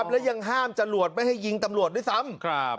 และยังห้ามจรวดไม่ให้ยิงตำรวจด้วยซ้ำ